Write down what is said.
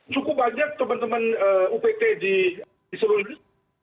cukup banyak teman teman upt di seluruh indonesia